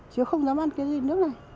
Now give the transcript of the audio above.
chứ không dám ăn cái gì nước này